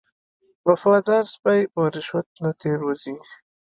وفادار سپی په رشوت نه تیر وځي.